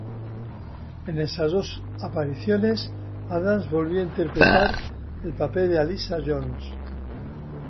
En esas dos apariciones, Adams volvió a interpretar el papel de Alyssa Jones.